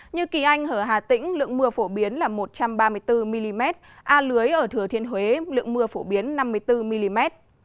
như kỳ anh ở hà tĩnh lượng mưa phổ biến là một trăm ba mươi bốn mm a lưới ở thừa thiên huế lượng mưa phổ biến năm mươi bốn mm